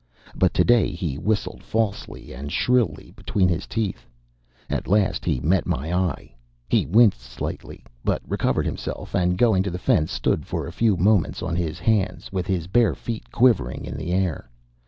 But to day he whistled falsely and shrilly between his teeth. At last he met my eye. He winced slightly, but recovered himself, and going to the fence, stood for a few moments on his hands, with his bare feet quivering in the air.